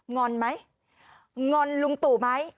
อนไหมงอนลุงตู่ไหม